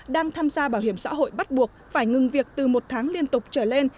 đang tham gia bảo hiểm xã hội bắt buộc phải ngừng việc từ một tháng liên tục trở lên